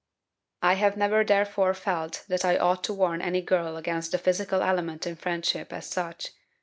I have never therefore felt that I ought to warn any girl against the physical element in friendship, as such.